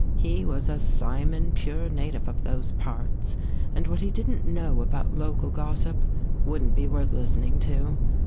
He was a Simon pure native of those parts and what he didn't know about local gossip wouldn't be worth listening to.